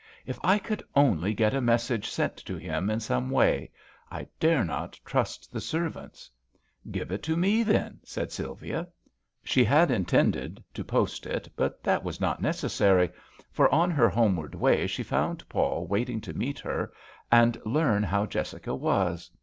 " If I could only get a message sent to him in some way ! I dare not trust the servants." " Give it to me, then," said Sylvia. She had intended to post it, but that was not necessary, for on her homeward way she found Paul waiting to meet her and learn how Jessica was.